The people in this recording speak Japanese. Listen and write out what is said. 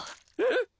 「えっ？」